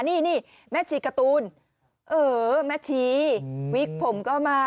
นี่แม่ชีการ์ตูนเออแม่ชีวิกผมก็มา